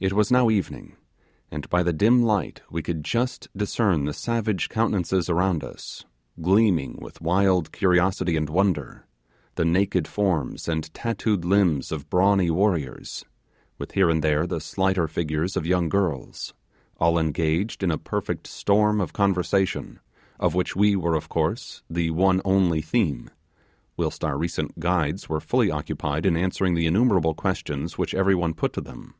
It was now evening, and by the dim light we could just discern the savage countenances around us, gleaming with wild curiosity and wonder; the naked forms and tattooed limbs of brawny warriors, with here and there the slighter figures of young girls, all engaged in a perfect storm of conversation, of which we were of course the one only theme, whilst our recent guides were fully occupied in answering the innumerable questions which every one put to them.